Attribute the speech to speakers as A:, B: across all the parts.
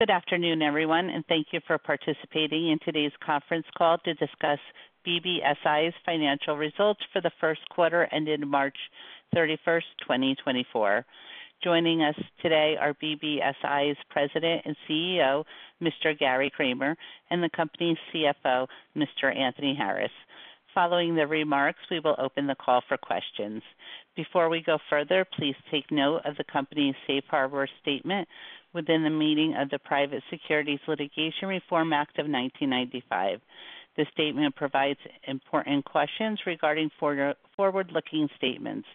A: Good afternoon, everyone, and thank you for participating in today's conference call to discuss BBSI's financial results for the Q1 ended March 31, 2024. Joining us today are BBSI's President and CEO, Mr. Gary Kramer, and the company's CFO, Mr. Anthony Harris. Following the remarks, we will open the call for questions. Before we go further, please take note of the company's safe harbor statement within the meaning of the Private Securities Litigation Reform Act of 1995. This statement provides important cautions regarding forward-looking statements.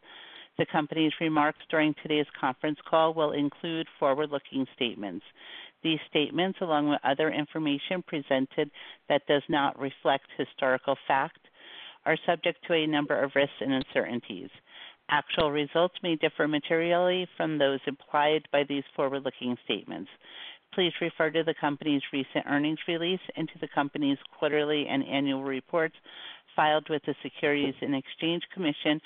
A: The company's remarks during today's conference call will include forward-looking statements. These statements, along with other information presented that does not reflect historical fact, are subject to a number of risks and uncertainties. Actual results may differ materially from those implied by these forward-looking statements. Please refer to the company's recent earnings release and to the company's quarterly and annual reports filed with the Securities and Exchange Commission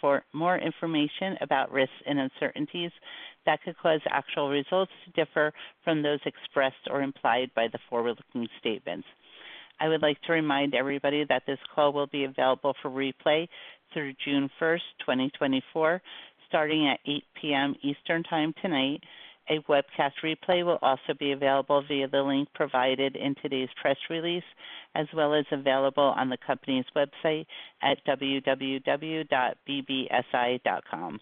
A: for more information about risks and uncertainties that could cause actual results to differ from those expressed or implied by the forward-looking statements. I would like to remind everybody that this call will be available for replay through June 1, 2024, starting at 8:00 P.M. Eastern Time tonight. A webcast replay will also be available via the link provided in today's press release, as well as available on the company's website at www.bbsi.com.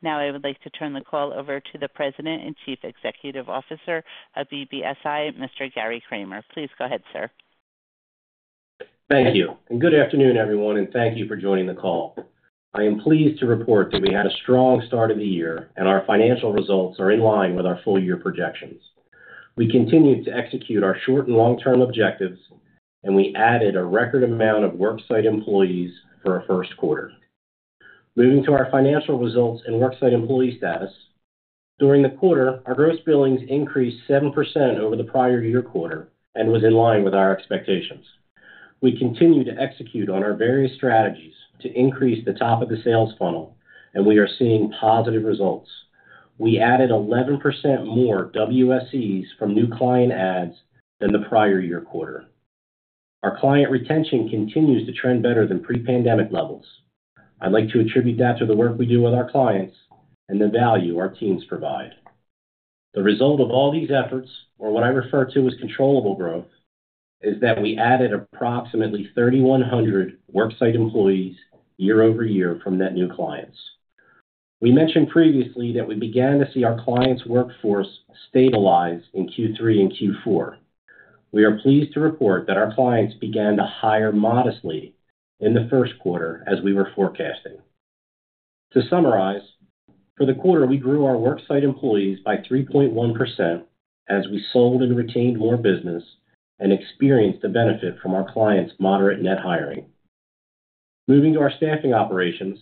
A: Now, I would like to turn the call over to the President and Chief Executive Officer of BBSI, Mr. Gary Kramer. Please go ahead, sir.
B: Thank you. Good afternoon, everyone, and thank you for joining the call. I am pleased to report that we had a strong start of the year, and our financial results are in line with our full-year projections. We continued to execute our short and long-term objectives, and we added a record amount of worksite employees for our Q1. Moving to our financial results and worksite employee status: during the quarter, our gross billings increased 7% over the prior year quarter and was in line with our expectations. We continued to execute on our various strategies to increase the top of the sales funnel, and we are seeing positive results. We added 11% more WSEs from new client adds than the prior year quarter. Our client retention continues to trend better than pre-pandemic levels. I'd like to attribute that to the work we do with our clients and the value our teams provide. The result of all these efforts, or what I refer to as controllable growth, is that we added approximately 3,100 worksite employees year-over-year from net new clients. We mentioned previously that we began to see our clients' workforce stabilize in Q3 and Q4. We are pleased to report that our clients began to hire modestly in the Q1 as we were forecasting. To summarize, for the quarter, we grew our worksite employees by 3.1% as we sold and retained more business and experienced a benefit from our clients' moderate net hiring. Moving to our staffing operations: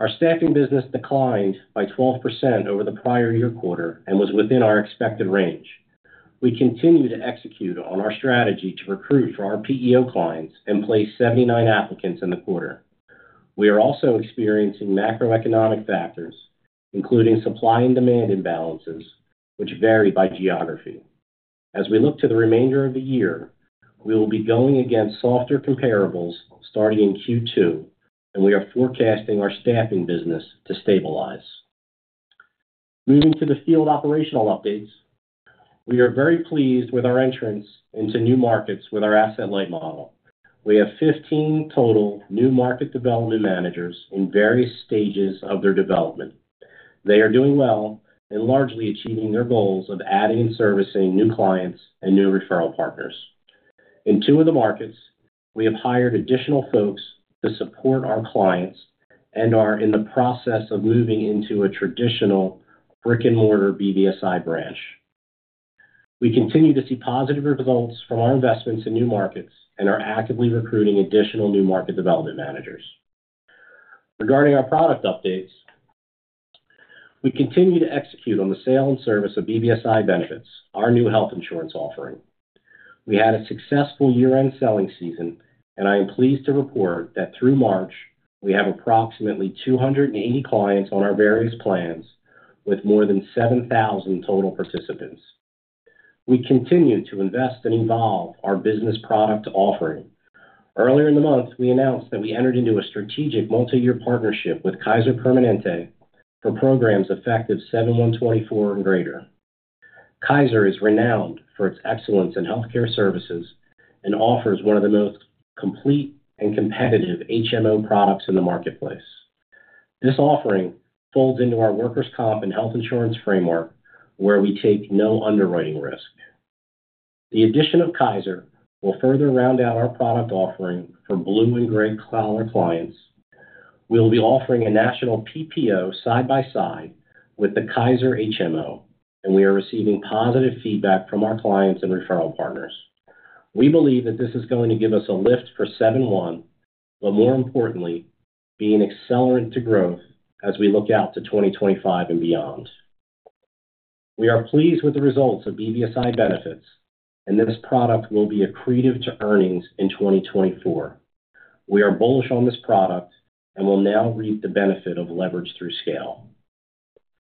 B: our staffing business declined by 12% over the prior year quarter and was within our expected range. We continue to execute on our strategy to recruit for our PEO clients and place 79 applicants in the quarter. We are also experiencing macroeconomic factors, including supply and demand imbalances, which vary by geography. As we look to the remainder of the year, we will be going against softer comparables starting in Q2, and we are forecasting our staffing business to stabilize. Moving to the field operational updates: we are very pleased with our entrance into new markets with our asset-light model. We have 15 total new market development managers in various stages of their development. They are doing well and largely achieving their goals of adding and servicing new clients and new referral partners. In two of the markets, we have hired additional folks to support our clients and are in the process of moving into a traditional brick-and-mortar BBSI branch. We continue to see positive results from our investments in new markets and are actively recruiting additional new market development managers. Regarding our product updates: we continue to execute on the sale and service of BBSI Benefits, our new health insurance offering. We had a successful year-end selling season, and I am pleased to report that through March, we have approximately 280 clients on our various plans with more than 7,000 total participants. We continue to invest and evolve our business product offering. Earlier in the month, we announced that we entered into a strategic multi-year partnership with Kaiser Permanente for programs effective 7/1/2024 and greater. Kaiser is renowned for its excellence in healthcare services and offers one of the most complete and competitive HMO products in the marketplace. This offering folds into our workers' comp and health insurance framework, where we take no underwriting risk. The addition of Kaiser will further round out our product offering for blue and gray collar clients. We will be offering a national PPO side by side with the Kaiser HMO, and we are receiving positive feedback from our clients and referral partners. We believe that this is going to give us a lift for 2024, but more importantly, being accelerant to growth as we look out to 2025 and beyond. We are pleased with the results of BBSI Benefits, and this product will be accretive to earnings in 2024. We are bullish on this product and will now reap the benefit of leverage through scale.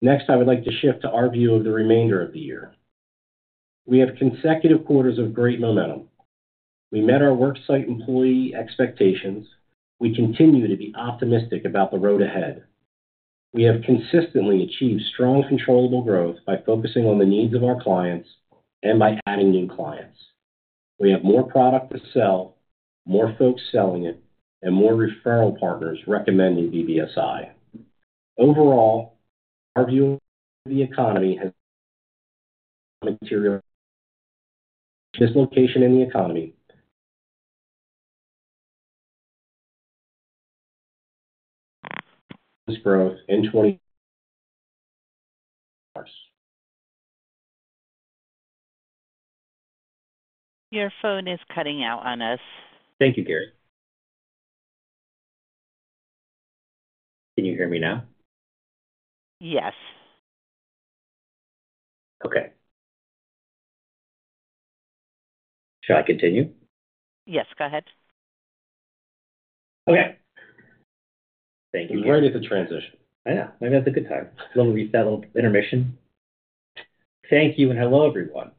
B: Next, I would like to shift to our view of the remainder of the year. We have consecutive quarters of great momentum. We met our worksite employee expectations. We continue to be optimistic about the road ahead. We have consistently achieved strong controllable growth by focusing on the needs of our clients and by adding new clients. We have more product to sell, more folks selling it, and more referral partners recommending BBSI. Overall, our view of the economy has materialized dislocation in the economy, growth in 2024.
A: Your phone is cutting out on us.
B: Thank you, Gary. Can you hear me now?
A: Yes.
B: Okay. Shall I continue?
A: Yes, go ahead.
B: Okay. Thank you.
C: We're right at the transition. I know. Maybe that's a good time. A little intermission. Thank you and hello, everyone.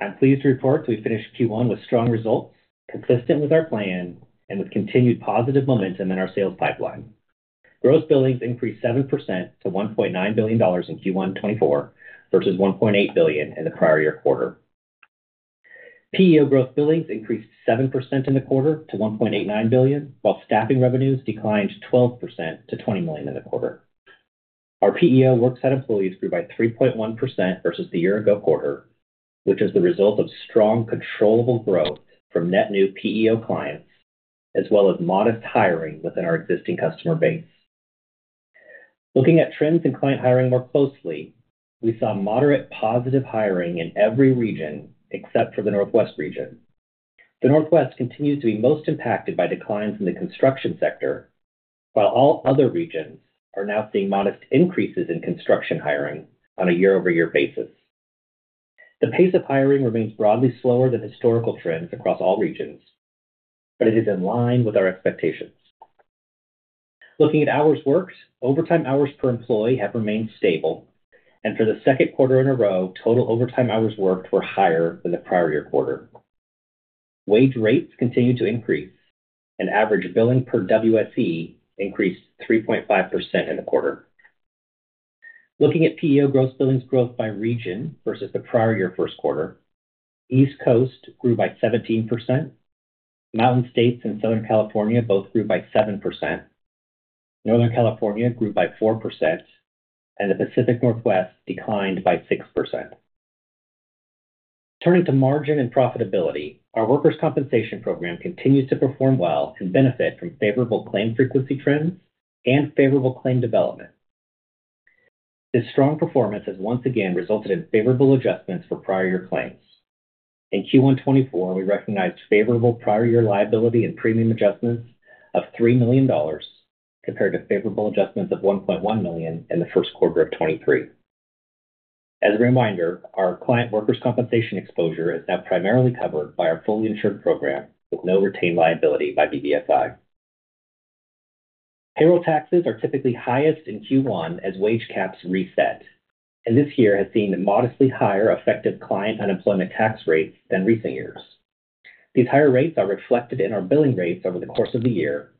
C: I'm pleased to report that we finished Q1 with strong results, consistent with our plan, and with continued positive momentum in our sales pipeline. Gross billings increased 7% to $1.9 billion in Q1 2024 versus $1.8 billion in the prior year quarter. PEO gross billings increased 7% in the quarter to $1.89 billion, while staffing revenues declined 12% to $20 million in the quarter. Our PEO worksite employees grew by 3.1% versus the year-ago quarter, which is the result of strong controllable growth from net new PEO clients as well as modest hiring within our existing customer base. Looking at trends in client hiring more closely, we saw moderate positive hiring in every region except for the Northwest region. The Northwest continues to be most impacted by declines in the construction sector, while all other regions are now seeing modest increases in construction hiring on a year-over-year basis. The pace of hiring remains broadly slower than historical trends across all regions, but it is in line with our expectations. Looking at hours worked, overtime hours per employee have remained stable, and for the Q2 in a row, total overtime hours worked were higher than the prior year quarter. Wage rates continue to increase, and average billing per WSE increased 3.5% in the quarter. Looking at PEO gross billings growth by region versus the prior year Q1, East Coast grew by 17%, Mountain States and Southern California both grew by 7%, Northern California grew by 4%, and the Pacific Northwest declined by 6%. Turning to margin and profitability, our workers' compensation program continues to perform well and benefit from favorable claim frequency trends and favorable claim development. This strong performance has once again resulted in favorable adjustments for prior year claims. In Q1 2024, we recognized favorable prior year liability and premium adjustments of $3 million compared to favorable adjustments of $1.1 million in the Q1 of 2023. As a reminder, our client workers' compensation exposure is now primarily covered by our fully insured program with no retained liability by BBSI. Payroll taxes are typically highest in Q1 as wage caps reset, and this year has seen modestly higher effective client unemployment tax rates than recent years. These higher rates are reflected in our billing rates over the course of the year,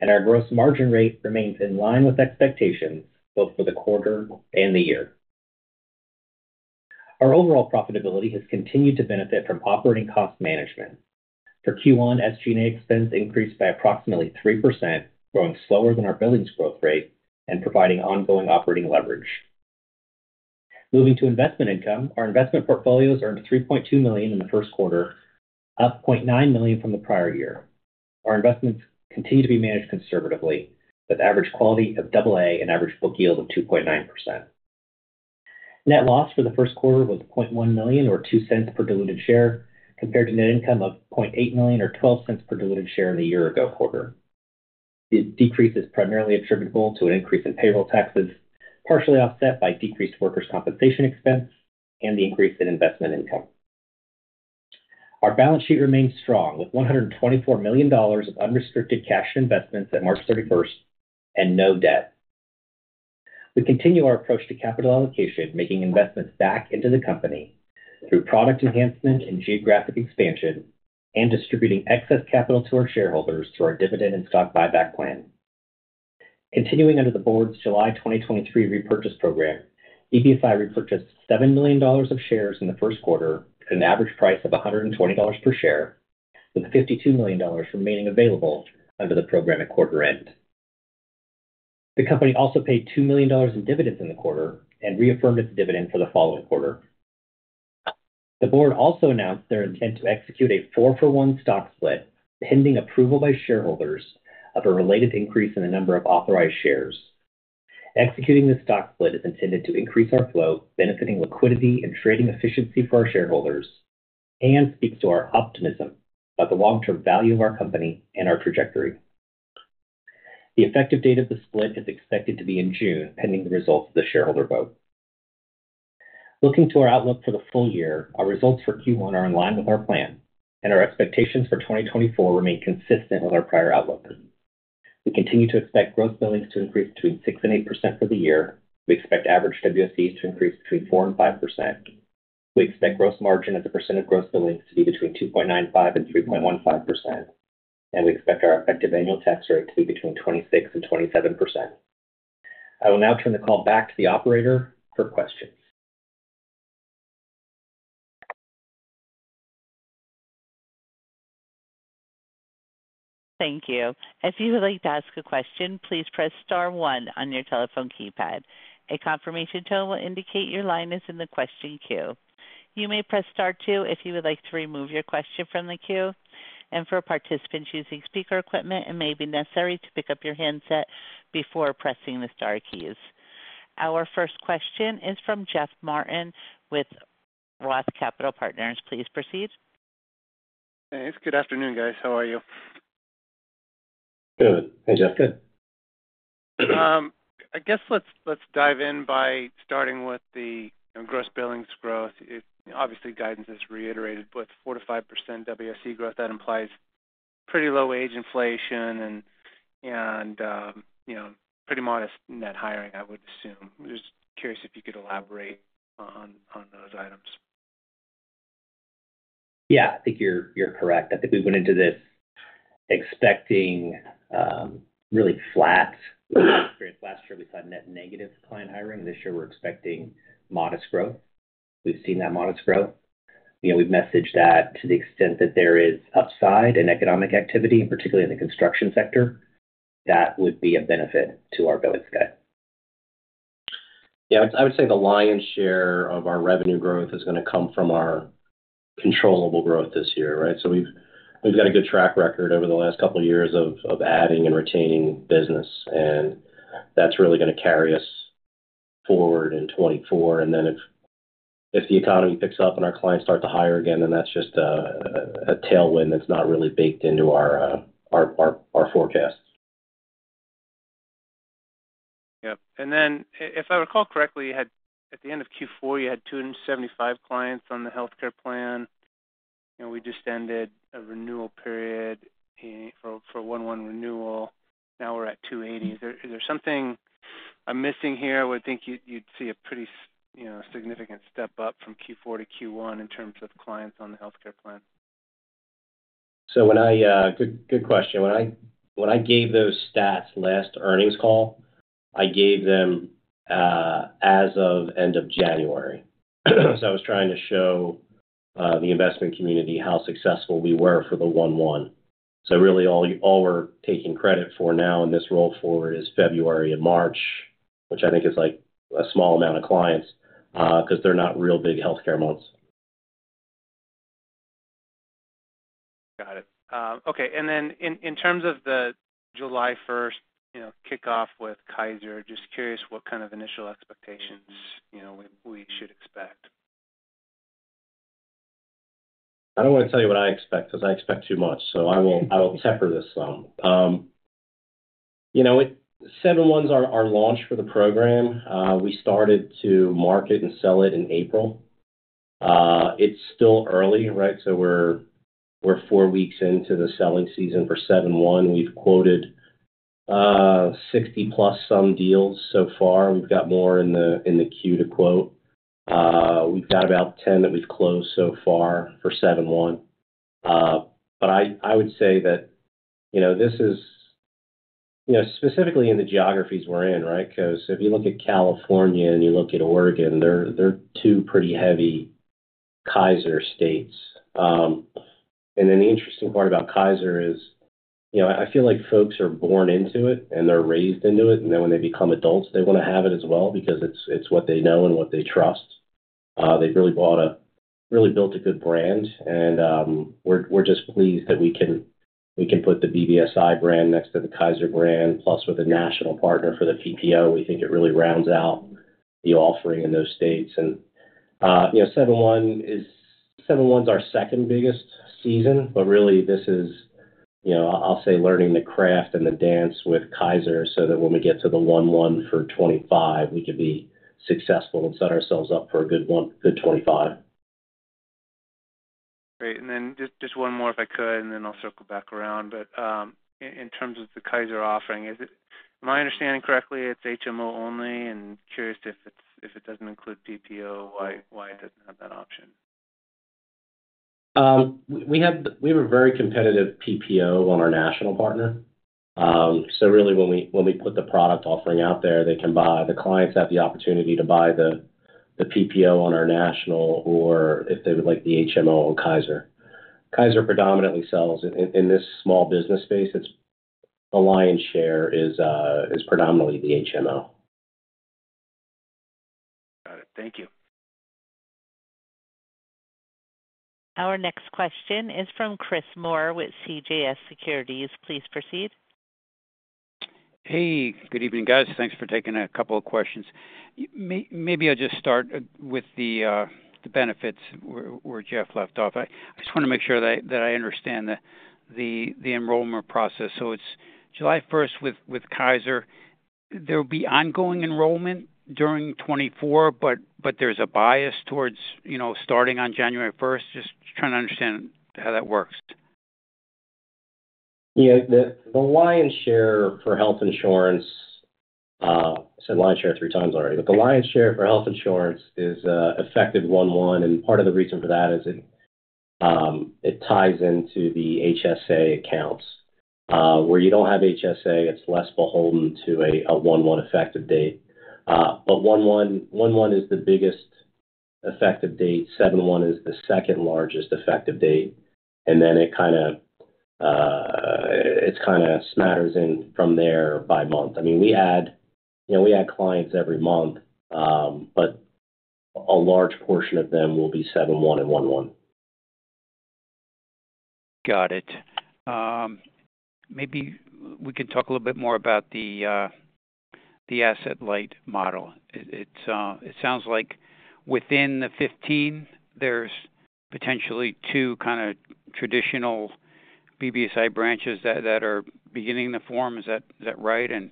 C: and our gross margin rate remains in line with expectations both for the quarter and the year. Our overall profitability has continued to benefit from operating cost management. For Q1, SG&A expense increased by approximately 3%, growing slower than our billings growth rate and providing ongoing operating leverage. Moving to investment income, our investment portfolios earned $3.2 million in the Q1, up $0.9 million from the prior year. Our investments continue to be managed conservatively, with average quality of AA and average book yield of 2.9%. Net loss for the Q1 was $0.1 million or $0.02 per diluted share compared to net income of $0.8 million or $0.12 per diluted share in the year-ago quarter. The decrease is primarily attributable to an increase in payroll taxes, partially offset by decreased workers' compensation expense and the increase in investment income. Our balance sheet remains strong, with $124 million of unrestricted cash investments at March 31st and no debt. We continue our approach to capital allocation, making investments back into the company through product enhancement and geographic expansion and distributing excess capital to our shareholders through our dividend and stock buyback plan. Continuing under the board's July 2023 repurchase program, BBSI repurchased $7 million of shares in the Q1 at an average price of $120 per share, with $52 million remaining available under the program at quarter end. The company also paid $2 million in dividends in the quarter and reaffirmed its dividend for the following quarter. The board also announced their intent to execute a four-for-one stock split, pending approval by shareholders of a related increase in the number of authorized shares. Executing this stock split is intended to increase our float, benefiting liquidity and trading efficiency for our shareholders, and speaks to our optimism about the long-term value of our company and our trajectory. The effective date of the split is expected to be in June, pending the results of the shareholder vote. Looking to our outlook for the full year, our results for Q1 are in line with our plan, and our expectations for 2024 remain consistent with our prior outlook. We continue to expect gross billings to increase between 6% and 8% for the year. We expect average WSEs to increase between 4% and 5%. We expect gross margin as a percent of gross billings to be between 2.95% and 3.15%, and we expect our effective annual tax rate to be between 26% and 27%. I will now turn the call back to the operator for questions.
A: Thank you. If you would like to ask a question, please press * one on your telephone keypad. A confirmation tone will indicate your line is in the question queue. You may press * two if you would like to remove your question from the queue. For participants using speaker equipment, it may be necessary to pick up your handset before pressing the star keys. Our first question is from Jeff Martin with Roth Capital Partners. Please proceed.
D: Thanks. Good afternoon, guys. How are you?
B: Good. Hey, Jeff.
D: Good. I guess let's dive in by starting with the gross billings growth. Obviously, guidance has reiterated both 4%-5% WSE growth. That implies pretty low wage inflation and pretty modest net hiring, I would assume. I'm just curious if you could elaborate on those items.
B: Yeah, I think you're correct. I think we went into this expecting really flat. Last year, we saw net negative client hiring. This year, we're expecting modest growth. We've seen that modest growth. We've messaged that to the extent that there is upside in economic activity, particularly in the construction sector, that would be a benefit to our billing side.
C: Yeah, I would say the lion's share of our revenue growth is going to come from our controllable growth this year, right? So we've got a good track record over the last couple of years of adding and retaining business, and that's really going to carry us forward in 2024. And then if the economy picks up and our clients start to hire again, then that's just a tailwind that's not really baked into our forecast.
D: Yep. Then if I recall correctly, at the end of Q4, you had 275 clients on the healthcare plan. We just ended a renewal period for 1-1 renewal. Now we're at 280. Is there something I'm missing here? I would think you'd see a pretty significant step up from Q4 to Q1 in terms of clients on the healthcare plan.
B: So good question. When I gave those stats last earnings call, I gave them as of end of January. So I was trying to show the investment community how successful we were for the 1Q. So really, all we're taking credit for now in this roll forward is February and March, which I think is a small amount of clients because they're not real big healthcare months.
D: Got it. Okay. And then in terms of the July 1st kickoff with Kaiser, just curious what kind of initial expectations we should expect?
C: I don't want to tell you what I expect because I expect too much. So I will temper this some. 7-1s are launched for the program. We started to market and sell it in April. It's still early, right? So we're four weeks into the selling season for 7-1. We've quoted 60+ some deals so far. We've got more in the queue to quote. We've got about 10 that we've closed so far for 7-1. But I would say that this is specifically in the geographies we're in, right? Because if you look at California and you look at Oregon, they're two pretty heavy Kaiser states. And then the interesting part about Kaiser is I feel like folks are born into it and they're raised into it, and then when they become adults, they want to have it as well because it's what they know and what they trust. They've really built a good brand, and we're just pleased that we can put the BBSI brand next to the Kaiser brand, plus with a national partner for the PPO. We think it really rounds out the offering in those states. Seven-ones are second-biggest season, but really, this is, I'll say, learning the craft and the dance with Kaiser so that when we get to the one-one for 2025, we can be successful and set ourselves up for a good 2025.
D: Great. And then just one more, if I could, and then I'll circle back around. But in terms of the Kaiser offering, am I understanding correctly it's HMO only? And curious if it doesn't include PPO, why it doesn't have that option?
C: We have a very competitive PPO on our national partner. So really, when we put the product offering out there, the clients have the opportunity to buy the PPO on our national or if they would like the HMO on Kaiser. Kaiser predominantly sells. In this small business space, the lion's share is predominantly the HMO.
D: Got it. Thank you.
A: Our next question is from Chris Moore with CJS Securities. Please proceed.
E: Hey. Good evening, guys. Thanks for taking a couple of questions. Maybe I'll just start with the benefits where Jeff left off. I just want to make sure that I understand the enrollment process. So it's July 1st with Kaiser. There'll be ongoing enrollment during 2024, but there's a bias towards starting on January 1st. Just trying to understand how that works.
C: Yeah. The lion's share for health insurance I said lion's share three times already, but the lion's share for health insurance is effective one-one. And part of the reason for that is it ties into the HSA accounts. Where you don't have HSA, it's less beholden to a one-one effective date. But one-one is the biggest effective date. Seven-one is the second-largest effective date. And then it kind of smatters in from there by month. I mean, we add clients every month, but a large portion of them will be seven-one and one-one.
E: Got it. Maybe we can talk a little bit more about the asset-light model. It sounds like within the 2015, there's potentially two kind of traditional BBSI branches that are beginning to form. Is that right? And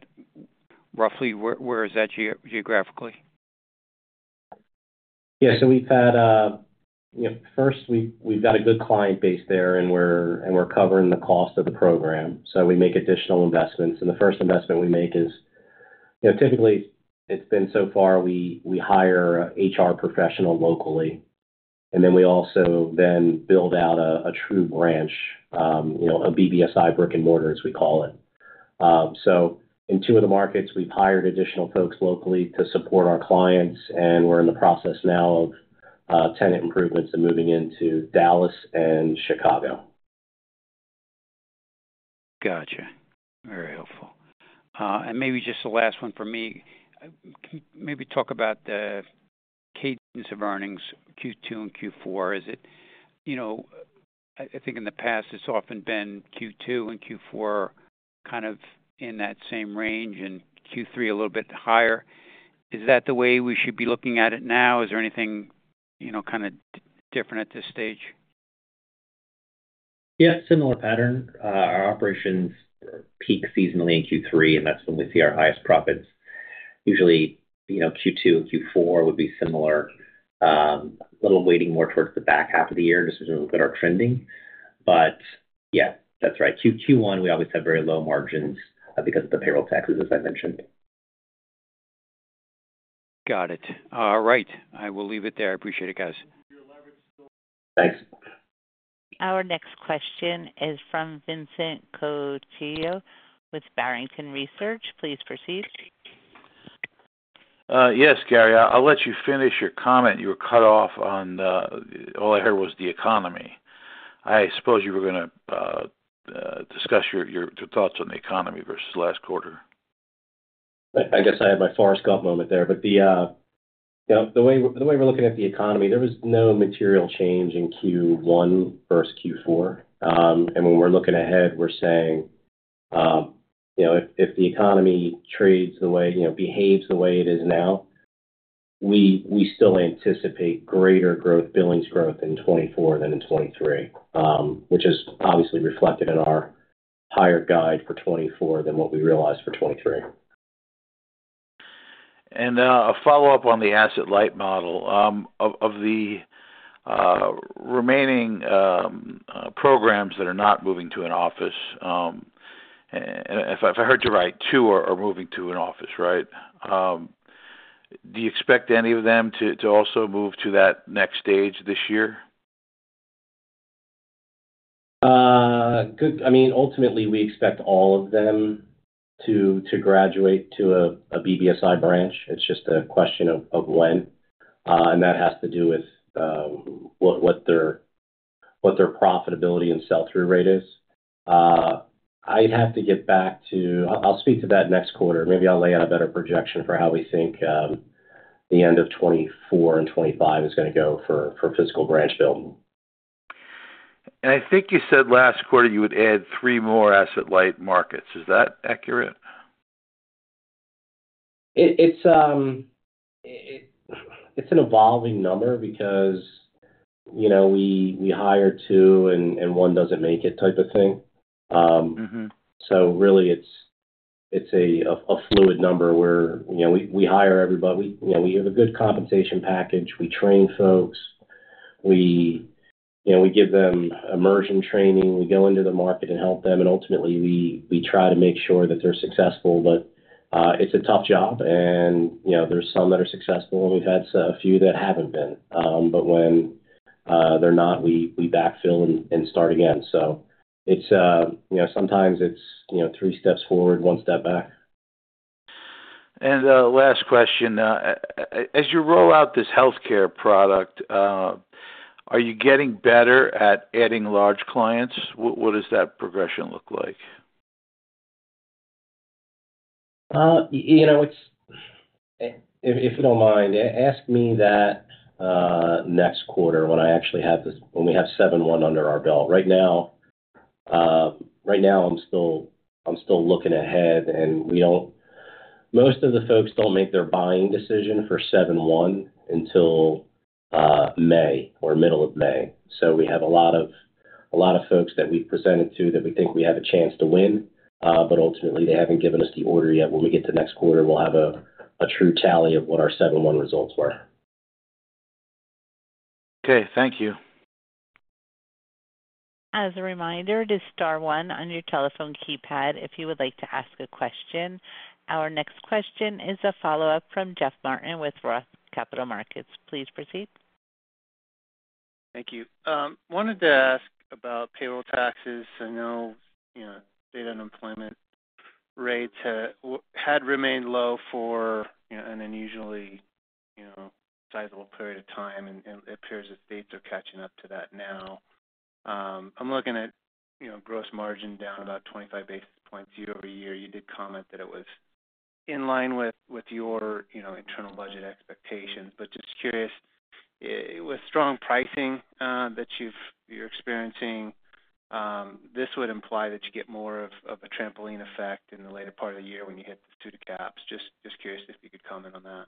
E: roughly, where is that geographically?
C: Yeah. So first, we've got a good client base there, and we're covering the cost of the program. So we make additional investments. And the first investment we make is typically, it's been so far we hire HR professionals locally, and then we also then build out a true branch, a BBSI brick and mortar, as we call it. So in two of the markets, we've hired additional folks locally to support our clients, and we're in the process now of tenant improvements and moving into Dallas and Chicago.
E: Gotcha. Very helpful. Maybe just the last one for me. Maybe talk about the cadence of earnings Q2 and Q4. I think in the past, it's often been Q2 and Q4 kind of in that same range and Q3 a little bit higher. Is that the way we should be looking at it now? Is there anything kind of different at this stage?
B: Yeah, similar pattern. Our operations peak seasonally in Q3, and that's when we see our highest profits. Usually, Q2 and Q4 would be similar, a little weighting more towards the back half of the year just because we look at our trending. But yeah, that's right. Q1, we always have very low margins because of the payroll taxes, as I mentioned.
E: Got it. All right. I will leave it there. I appreciate it, guys.
C: Thanks.
A: Our next question is from Vincent Colicchio with Barrington Research. Please proceed.
F: Yes, Gary. I'll let you finish your comment. You were cut off. All I heard was the economy. I suppose you were going to discuss your thoughts on the economy versus last quarter.
B: I guess I had my Freudian slip moment there. But the way we're looking at the economy, there was no material change in Q1 versus Q4. And when we're looking ahead, we're saying if the economy trades the way it behaves the way it is now, we still anticipate greater billings growth in 2024 than in 2023, which is obviously reflected in our higher guide for 2024 than what we realized for 2023.
F: A follow-up on the asset-light model. Of the remaining programs that are not moving to an office and if I heard you right, two are moving to an office, right? Do you expect any of them to also move to that next stage this year?
C: I mean, ultimately, we expect all of them to graduate to a BBSI branch. It's just a question of when. And that has to do with what their profitability and sell-through rate is. I'll speak to that next quarter. Maybe I'll lay out a better projection for how we think the end of 2024 and 2025 is going to go for fiscal branch building.
F: I think you said last quarter you would add three more asset light markets. Is that accurate?
C: It's an evolving number because we hire two and one doesn't make it type of thing. So really, it's a fluid number where we hire everybody. We have a good compensation package. We train folks. We give them immersion training. We go into the market and help them. And ultimately, we try to make sure that they're successful. But it's a tough job, and there's some that are successful, and we've had a few that haven't been. But when they're not, we backfill and start again. So sometimes it's three steps forward, one step back.
F: Last question. As you roll out this healthcare product, are you getting better at adding large clients? What does that progression look like?
C: If you don't mind, ask me that next quarter when I actually have this when we have 7/1 under our belt. Right now, I'm still looking ahead, and most of the folks don't make their buying decision for 7/1 until May or middle of May. So we have a lot of folks that we've presented to that we think we have a chance to win, but ultimately, they haven't given us the order yet. When we get to next quarter, we'll have a true tally of what our 7/1 results were.
E: Okay. Thank you.
A: As a reminder, just star one on your telephone keypad if you would like to ask a question. Our next question is a follow-up from Jeff Martin with Roth Capital Partners. Please proceed.
D: Thank you. I wanted to ask about payroll taxes. I know state unemployment rates had remained low for an unusually sizable period of time, and it appears that states are catching up to that now. I'm looking at gross margin down about 25 basis points year-over-year. You did comment that it was in line with your internal budget expectations. But just curious, with strong pricing that you're experiencing, this would imply that you get more of a trampoline effect in the later part of the year when you hit the SUTA caps. Just curious if you could comment on that?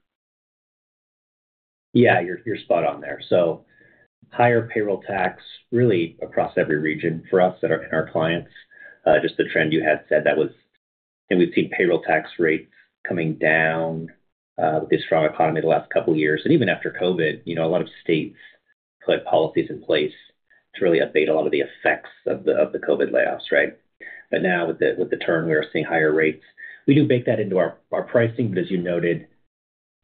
B: Yeah, you're spot on there. So higher payroll tax really across every region for us and our clients. Just the trend you had said that was. And we've seen payroll tax rates coming down with this strong economy the last couple of years. And even after COVID, a lot of states put policies in place to really abate a lot of the effects of the COVID layoffs, right? But now with the turn, we are seeing higher rates. We do bake that into our pricing, but as you noted,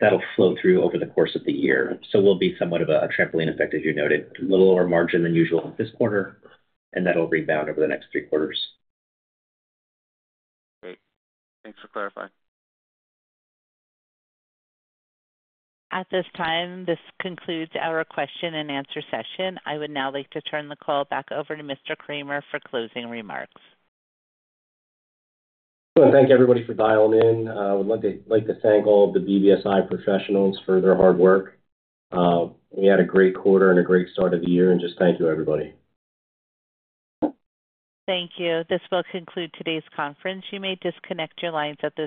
B: that'll flow through over the course of the year. So we'll be somewhat of a trampoline effect, as you noted, a little lower margin than usual this quarter, and that'll rebound over the next three quarters.
D: Great. Thanks for clarifying.
A: At this time, this concludes our question-and-answer session. I would now like to turn the call back over to Mr. Kramer for closing remarks.
B: Thank everybody for dialing in. I would like to thank all of the BBSI professionals for their hard work. We had a great quarter and a great start of the year, and just thank you, everybody.
A: Thank you. This will conclude today's conference. You may disconnect your lines at this.